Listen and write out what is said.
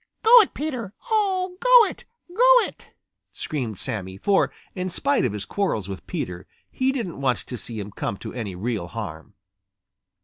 "Go it, Peter! Oh, go it! Go it!" screamed Sammy, for in spite of his quarrels with Peter, he didn't want to see him come to any real harm.